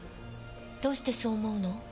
どうしてそう思うの？